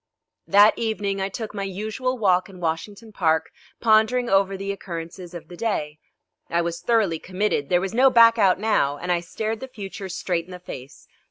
That evening I took my usual walk in Washington Park, pondering over the occurrences of the day. I was thoroughly committed. There was no back out now, and I stared the future straight in the face.